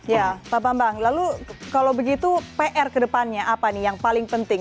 ya pak bambang lalu kalau begitu pr kedepannya apa nih yang paling penting